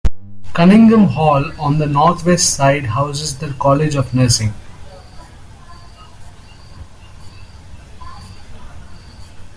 Cunningham Hall on the northwest side houses the College of Nursing.